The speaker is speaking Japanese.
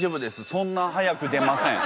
そんな早く出ません。